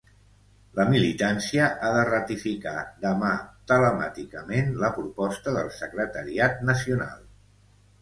La militància ha de ratificar demà telemàticament la proposta del secretariat nacional.